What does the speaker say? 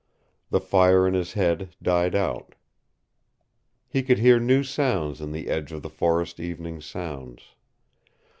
The fire in his head died out. He could hear new sounds in the edge of the forest evening sounds.